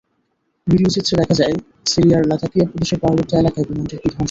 ভিডিওচিত্রে দেখা যায়, সিরিয়ার লাতাকিয়া প্রদেশের পার্বত্য এলাকায় বিমানটি বিধ্বস্ত হয়।